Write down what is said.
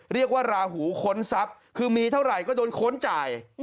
เรียกว่าราหูขนทรัพย์คือมีเท่าไรก็โดนขนจ่าย